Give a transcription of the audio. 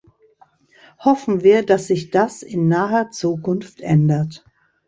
Hoffen wir, dass sich das in naher Zukunft ändert.